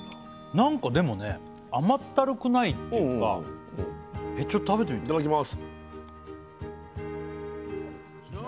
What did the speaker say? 何かでもね甘ったるくないっていうかちょっと食べてみていただきます